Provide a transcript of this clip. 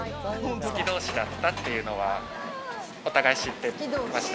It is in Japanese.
好き同士だったっていうのは、お互い知ってて。